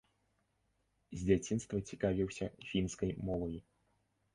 З дзяцінства цікавіўся фінскай мовай.